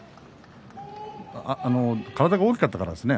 体が大きかったからですね